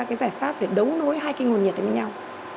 có cái giải pháp để đống nối hai cái nguồn nhiệt đến nhau